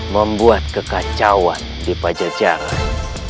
membuat kekacauan di pajajaran